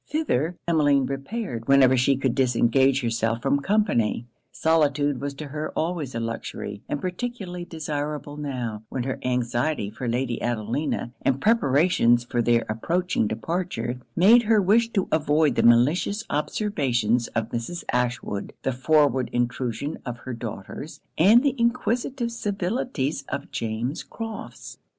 Thither Emmeline repaired whenever she could disengage herself from company. Solitude was to her always a luxury; and particularly desirable now, when her anxiety for Lady Adelina, and preparations for their approaching departure, made her wish to avoid the malicious observations of Mrs. Ashwood, the forward intrusion of her daughters, and the inquisitive civilities of James Crofts.